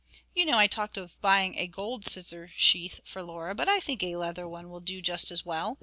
You know I talked of buying a gold scissor sheath for Laura, but I think a leather one will do just as well.